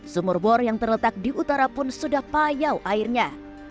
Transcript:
sumur bor yang terletak di utara pun sudah payau airnya